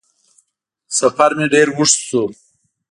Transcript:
سفر مې ډېر اوږد شو